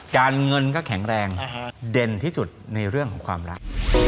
การเงินก็แข็งแรงเด่นที่สุดในเรื่องของความรัก